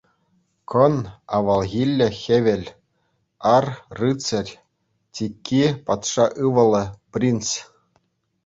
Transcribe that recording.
Кӑн — авалхилле хӗвел, ар — рыцарь, тикки — патша ывӑлӗ, принц.